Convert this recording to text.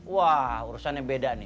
wah urusannya beda nih